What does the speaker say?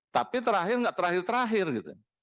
tapi terakhir nggak terakhir terakhir gitu